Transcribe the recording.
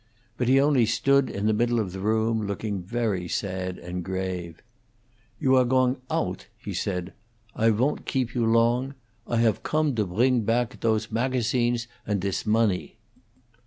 But he only stood in the middle of the room, looking very sad and grave. "You are Going oudt," he said. "I won't geep you long. I haf gome to pring pack dose macassines and dis mawney.